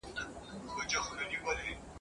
خپل ماشومان په ملي روحيه وروزئ!